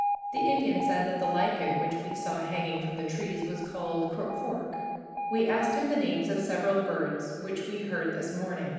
The Indian said that the lichen which we saw hanging from the trees was called chorchorque. We asked him the names of several birds which we heard this morning.